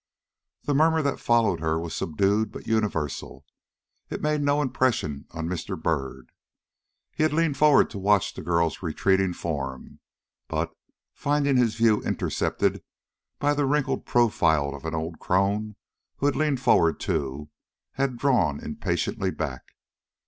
The murmur that followed her was subdued but universal. It made no impression on Mr. Byrd. He had leaned forward to watch the girl's retreating form, but, finding his view intercepted by the wrinkled profile of an old crone who had leaned forward too, had drawn impatiently back.